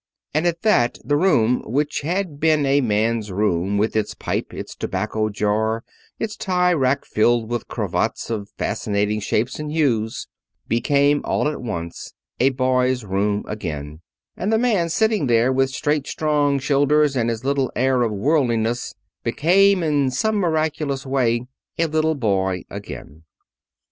And at that the room, which had been a man's room with its pipe, its tobacco jar, its tie rack filled with cravats of fascinating shapes and hues, became all at once a boy's room again, and the man sitting there with straight, strong shoulders and his little air of worldliness became in some miraculous way a little boy again.